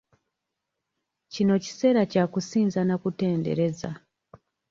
Kino kiseera kya kusinza na kutendereza.